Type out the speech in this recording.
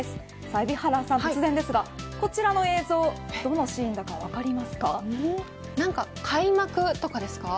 海老原さん、突然ですがこちらの映像何か開幕とかですか。